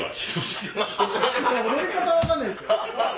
でもやり方分かんないんすよ。